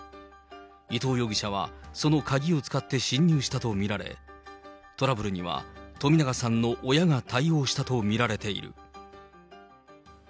伊藤容疑者はその鍵を使って侵入したと見られ、トラブルには冨永さんの親が対応したとみられている。